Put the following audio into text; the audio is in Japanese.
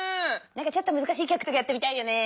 なんかちょっとむずかしいきょくとかやってみたいよね。